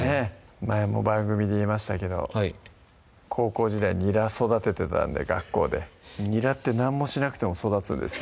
前も番組で言いましたけどはい高校時代にら育ててたんで学校でにらって何もしなくても育つんですよ